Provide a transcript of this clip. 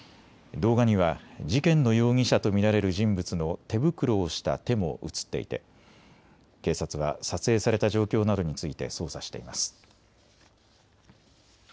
動画には事件の容疑者と見られる人物の手袋をした手も写っていて警察は撮影された状況などについて捜査しています。